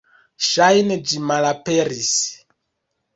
Ŝajne ĝi malaperis.